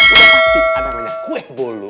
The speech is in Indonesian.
udah pasti ada kue bolu